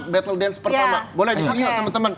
battle dance pertama boleh di sini oleh teman teman